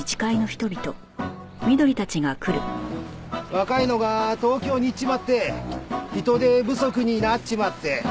若いのが東京に行っちまって人手不足になっちまって。